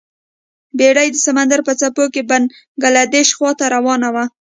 بیړۍ د سمندر په څپو کې بنګلادیش خواته روانه وه.